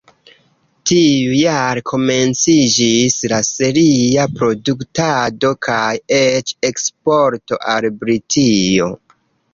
Tiujare komenciĝis la seria produktado kaj eĉ eksporto al Britio.